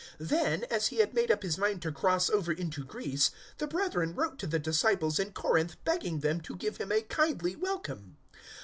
018:027 Then, as he had made up his mind to cross over into Greece, the brethren wrote to the disciples in Corinth begging them to give him a kindly welcome.